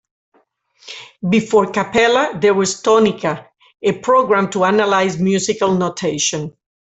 Before "capella", there was "tonica", a program to analyse musical notation.